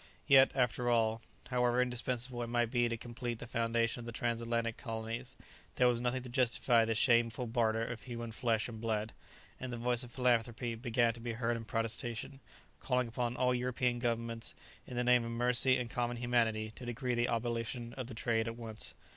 Yet, after all, however indispensable it might be to complete the foundation of the trans atlantic colonies, there was nothing to justify this shameful barter of human flesh and blood, and the voice of philanthropy began to be heard in protestation, calling upon all European governments, in the name of mercy and common humanity, to decree the abolition of the trade at once.